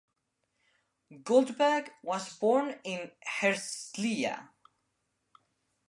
Goldberg was born in Herzliya.